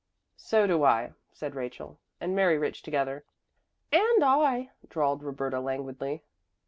"So do I," said Rachel and Mary Rich together. "And I," drawled Roberta languidly.